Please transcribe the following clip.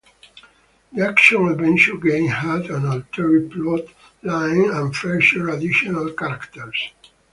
The action-adventure game had an altered plot line and featured additional characters.